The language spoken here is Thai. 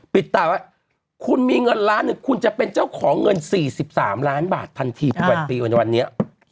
ปิดตาว่าคุณมีเงินล้านหนึ่งคุณจะเป็นเจ้าของเงิน๔๓ล้านบาททันทีทุกวันปีในวันนี้